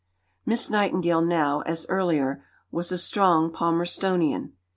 Miss Nightingale now, as earlier, was a strong Palmerstonian.